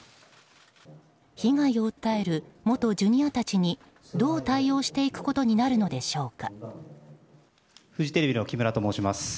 今後、被害を訴える元Ｊｒ．たちにどう対応していくことになるのでしょうか。